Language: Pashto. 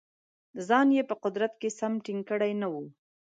ځان یې په قدرت کې سم ټینګ کړی نه وو.